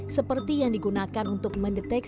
seperti yang digunakan untuk mendeteksi